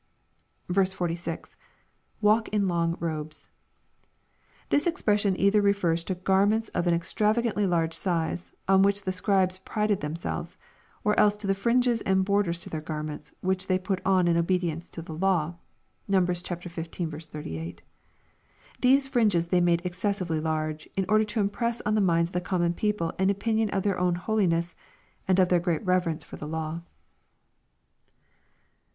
16. —[ Walk in long ro&es.] This expression either refers to garments of an extravagantly large size, on which the Scribes prided them selves, or else to the fringes and borders to their garments, which they put on in obedience to the law. (Numb. xv. 38.) These fringes they made excessively large, in order to impress on the minds of the common people an opinion of their own holiness, and their great reverence for the law.